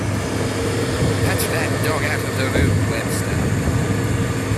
Put that dog out of the room, Webster.